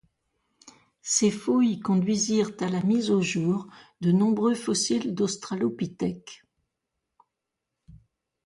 Ces fouilles conduisirent à la mise au jour de nombreux fossiles d'Australopithèques.